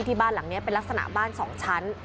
ทางนี้เป็นลักษณะบ้าน๒ชั้น